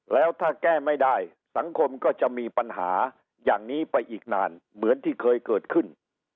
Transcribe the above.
แล้วถ้าแก้ไม่ได้สังคมก็จะมีปัญหาอย่างนี้ไปอีกนานเหมือนที่เคยเกิดขึ้น